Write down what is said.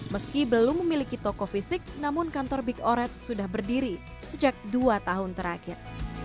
meski belum memiliki toko fisik namun kantor big oret sudah berdiri sejak dua tahun terakhir